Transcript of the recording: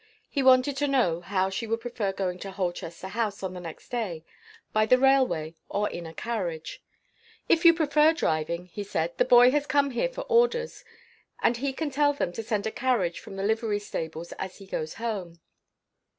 He wanted to know how she would prefer going to Holchester House on the next day by the railway, or in a carriage. "If you prefer driving," he said, "the boy has come here for orders, and he can tell them to send a carriage from the livery stables, as he goes home."